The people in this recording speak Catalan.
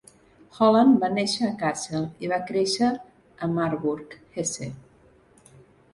Holland va néixer a Kassel i va créixer a Marburg, Hesse.